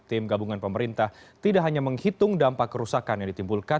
tim gabungan pemerintah tidak hanya menghitung dampak kerusakan yang ditimbulkan